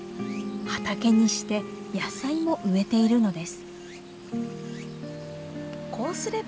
畑にして野菜も植えているのです。